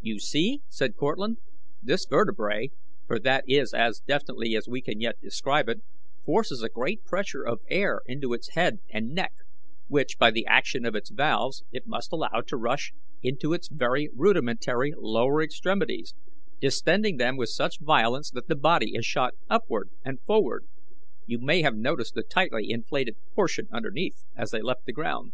"You see," said Cortlandt, "this vertebrate for that is as definitely as we can yet describe it forces a great pressure of air into its head and neck, which, by the action of valves, it must allow to rush into its very rudimentary lower extremities, distending them with such violence that the body is shot upward and forward. You may have noticed the tightly inflated portion underneath as they left the ground."